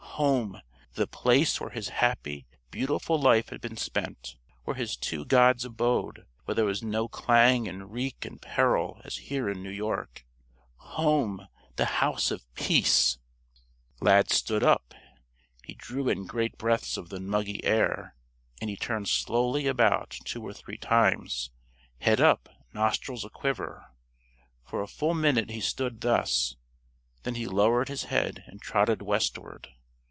Home! The Place where his happy, beautiful life had been spent, where his two gods abode, where there were no clang and reek and peril as here in New York. Home! The House of Peace! Lad stood up. He drew in great breaths of the muggy air, and he turned slowly about two or three times, head up, nostrils aquiver. For a full minute he stood thus. Then he lowered his head and trotted westward.